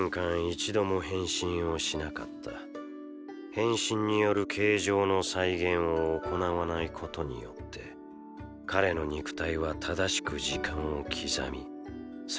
変身による形状の再現を行わないことによって彼の肉体は正しく時間を刻み相応に成長した。